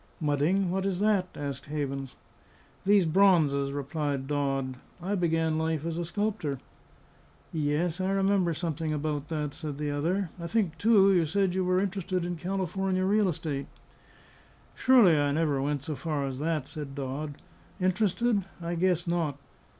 "Mudding? What is that?" asked Havens. "These bronzes," replied Dodd. "I began life as a sculptor." "Yes; I remember something about that," said the other. "I think, too, you said you were interested in Californian real estate." "Surely, I never went so far as that," said Dodd. "Interested? I guess not.